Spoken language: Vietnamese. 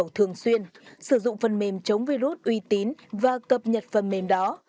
mật khẩu thường xuyên sử dụng phần mềm chống virus uy tín và cập nhật phần mềm đó